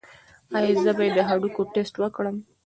ایا زه باید د هډوکو ټسټ وکړم؟